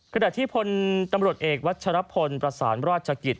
ขณะที่พลตำรวจเอกวัชรพลประสานราชกิจ